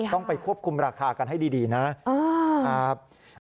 ต้องไปควบคุมราคากันให้ดีนะครับ